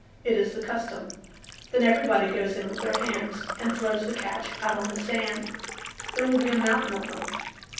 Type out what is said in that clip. It is the custom. Then everybody goes in with their hands and throws the catch out on the sand. There will be a mountain of them.